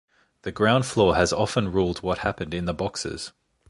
The ground floor has often ruled what happened in the boxes.